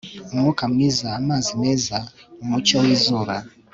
umwuka mwiza amazi meza umucyo wizuba